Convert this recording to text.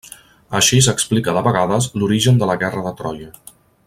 Així s'explica de vegades l'origen de la guerra de Troia.